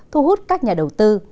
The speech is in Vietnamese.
thu hút các nhà đầu tư